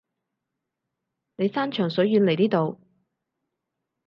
你山長水遠嚟呢度